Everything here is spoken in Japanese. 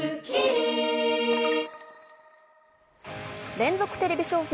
連続テレビ小説